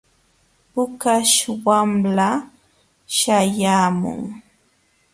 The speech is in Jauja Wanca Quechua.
Pukaśh wamla śhayaamun.